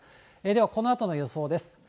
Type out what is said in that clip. ではこのあとの予想です。